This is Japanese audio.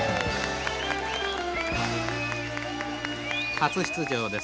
初出場です。